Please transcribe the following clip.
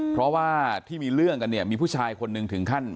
เพราะว่าที่มีเรื่องกันเนี่ยมีผู้ชายคนหนึ่งถึงขั้น